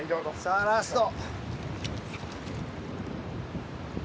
さあラスト。